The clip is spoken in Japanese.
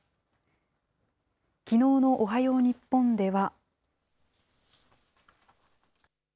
きのうのおはよう日本では。